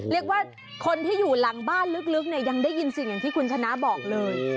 เรียกว่าคนที่อยู่หลังบ้านลึกเนี่ยยังได้ยินสิ่งอย่างที่คุณชนะบอกเลย